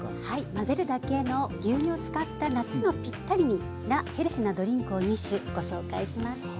混ぜるだけの牛乳を使った夏のぴったりなヘルシーなドリンクを２種ご紹介します。